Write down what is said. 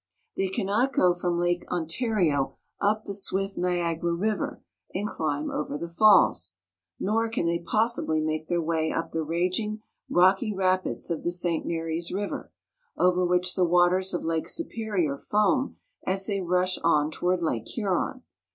They cannot go from Lake Ontario up the swift Niagara River, and climb over the falls ; nor can they possibly make their way up the raging, rocky rapids of the St. Marys River, over which the waters of Lake Superior foam as they rush on toward Lake Huron.